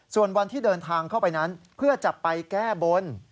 ส่วนวันที่เดินทางเข้าไปนั้นเพื่อจะไปแก้บน